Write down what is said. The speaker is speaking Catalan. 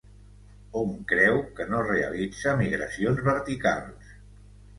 Hom creu que no realitza migracions verticals.